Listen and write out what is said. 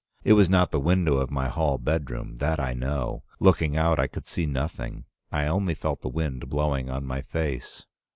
It was not the window of my hall bedroom, that I know. Looking out, I could see nothing. I only felt the wind blowing on my face.